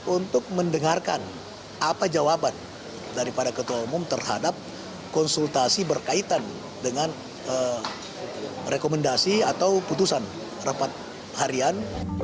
untuk mendengarkan apa jawaban daripada ketua umum terhadap konsultasi berkaitan dengan rekomendasi atau putusan rapat harian